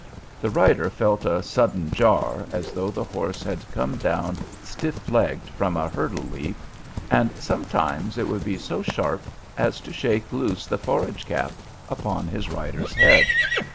The rider felt a sudden jar, as though the horse had come down stiff legged from a hurdle leap; and sometimes it would be so sharp as to shake loose the forage cap upon his rider's head.